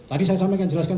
ini ekonominya besar